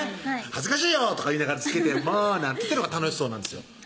「恥ずかしいよ」とか言いながら着けて「もう」なんて言ってるのが楽しそうなんですよ